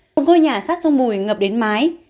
một ngôi nhà sát sông bùi ngập đến mái